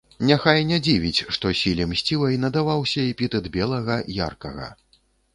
Няхай не дзівіць, што сіле мсцівай надаваўся эпітэт белага, яркага.